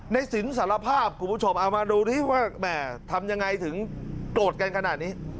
สินสารภาพคุณผู้ชมเอามาดูที่ว่าแหม่ทำยังไงถึงโกรธกันขนาดนี้